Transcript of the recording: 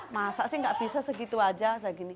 masa sih nggak bisa segitu saja